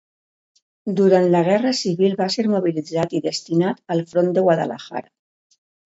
Durant la guerra civil va ser mobilitzat i destinat al front de Guadalajara.